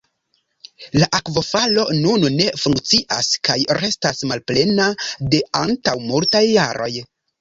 La akvofalo nun ne funkcias kaj restas malplena de antaŭ multaj jaroj.